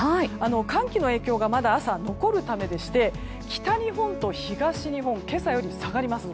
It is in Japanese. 寒気の影響がまだ朝、残るためでして北日本と東日本は今朝より下がります。